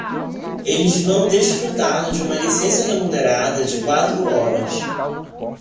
Eles vão desfrutar de uma licença remunerada de quatro horas.